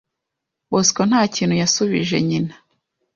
Bosco nta kintu yasubije nyina